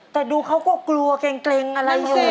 แต่ดูเขาก็กลัวเกร็งอะไรอยู่